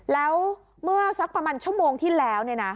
แล้วเมื่อสักประมาณชั่วโมงที่แล้ว